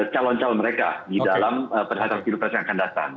calon calon mereka di dalam perhatian pilpres yang akan datang